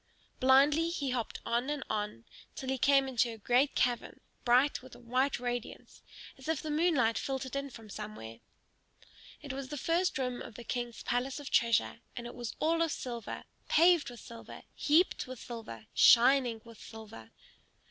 Blindly he hopped on and on, till he came into a great cavern, bright with a white radiance, as if the moonlight filtered in from somewhere. It was the first room of the King's palace of treasure; and it was all of silver, paved with silver, heaped with silver, shining with silver.